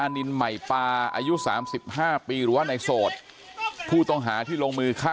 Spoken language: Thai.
แค้นเหล็กเอาไว้บอกว่ากะจะฟาดลูกชายให้ตายเลยนะ